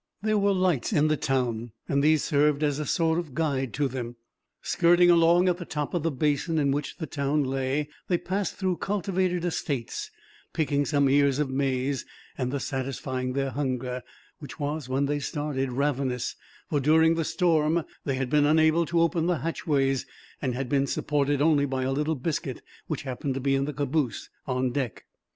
There were lights in the town, and these served as a sort of guide to them. Skirting along at the top of the basin in which the town lay, they passed through cultivated estates, picking some ears of maize; thus satisfying their hunger, which was, when they started, ravenous; for, during the storm, they had been unable to open the hatchways, and had been supported only by a little biscuit, which happened to be in the caboose on deck.